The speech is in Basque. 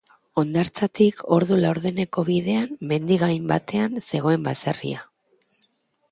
Hondartzatik ordu laurdeneko bidean, mendi gain batean zegoen baserria.